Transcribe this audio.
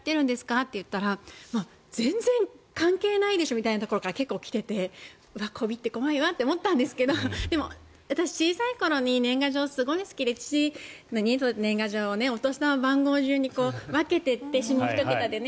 って言ったら全然関係ないでしょみたいなところから結構来ててこびって怖いわと思ったんですけど私、小さい時に年賀状がすごく好きで父に届いた年賀状をお年玉番号順に分けていって、下２桁でね。